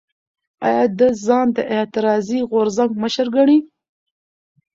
ایا ده ځان د اعتراضي غورځنګ مشر ګڼي؟